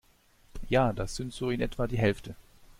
Ja, das sind so in etwa die Hälfte.